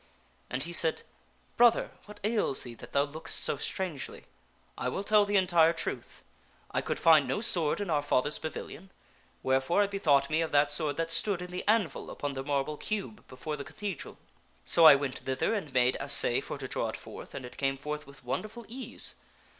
And he said, " Brother, what ails thee that thou lookest so strangely. I will tell the entire truth. 1 could find no sword in our fathers pavilion, wherefore I bethought me of that sword that stood in the anvil upon the marble cube before the cathedral. So I went thither and made assay for to draw it forth, and it came forth with wonderful ease.